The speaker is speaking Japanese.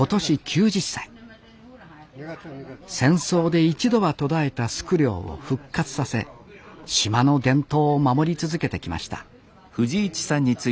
戦争で一度は途絶えたスク漁を復活させ島の伝統を守り続けてきました